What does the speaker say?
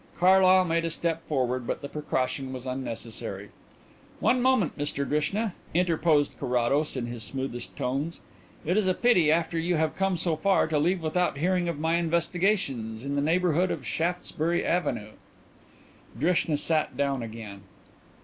Carlyle made a step forward, but the precaution was unnecessary. "One moment, Mr Drishna," interposed Carrados, in his smoothest tones. "It is a pity, after you have come so far, to leave without hearing of my investigations in the neighbourhood of Shaftesbury Avenue." Drishna sat down again.